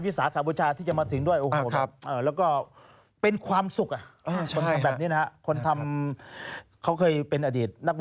ผมก็รู้จักเขามาก่อนนะครับเพราะว่าผมสนิทกับวงนี้อยู่แล้ว